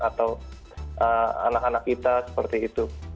atau anak anak kita seperti itu